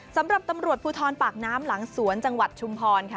สำหรับตำรวจภูทรปากน้ำหลังสวนจังหวัดชุมพรค่ะ